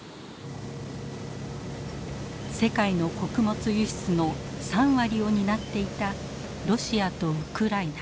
世界の穀物輸出の３割を担っていたロシアとウクライナ。